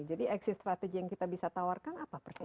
jadi exit strategy yang kita bisa tawarkan apa persis